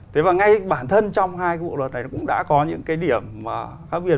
thế và ngay bản thân trong hai cái bộ luật này cũng đã có những cái điểm khác biệt